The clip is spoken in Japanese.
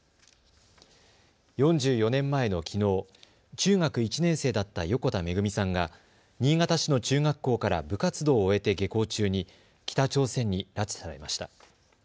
４４年前のきのう、中学１年生だった横田めぐみさんが新潟市の中学校から部活動を終えて下校中に北朝鮮に拉致されました。